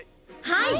はい。